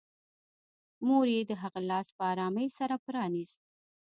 مور یې د هغه لاس په ارامۍ سره پرانيست